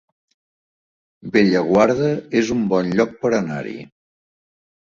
Bellaguarda es un bon lloc per anar-hi